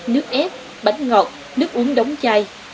nước ép bánh ngọt nước uống đóng chai